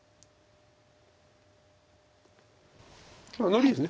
ノビです。